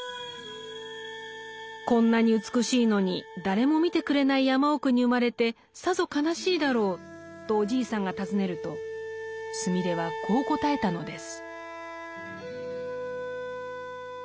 「こんなに美しいのに誰も見てくれない山奥に生まれてさぞ悲しいだろう」とおじいさんが訪ねるとスミレはこう答えたのです。